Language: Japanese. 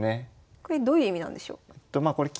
これどういう意味なんでしょう？